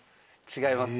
違います。